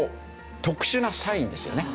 特殊なサインですよね。